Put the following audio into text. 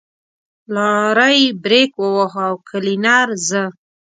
لارۍ برېک وواهه او کلينر زه.